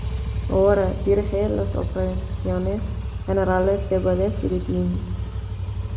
Ahora dirige las operaciones generales del Ballet Philippines.